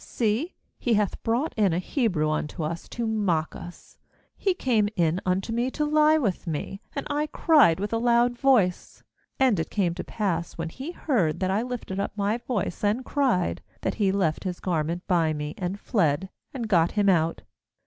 48 GENESIS 40 15 he hath brought in a Hebrew unto us to mock us; he came in unto me to lie with me, and I cried with a loud voice. 15And it came to pass, when he heard that I lifted up my voice and cried, that he left his garment by me, and fled, and got him out.'